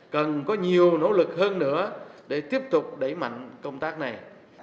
cần có nhiều nỗ lực hơn nữa để tiếp tục đẩy mạnh công tác này